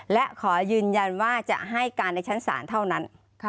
และขอยืนยันว่าจะให้การในชั้นศาลเท่านั้น